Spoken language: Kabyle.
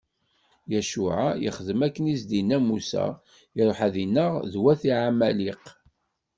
Yacuɛa yexdem akken i s-d-inna Musa, iṛuḥ ad innaɣ d wat ɛamaliq.